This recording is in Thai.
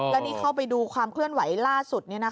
แล้วนี่เข้าไปดูความเคลื่อนไหวล่าสุดนี้นะครับ